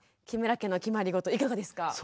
木村家の決まりごといかがですか？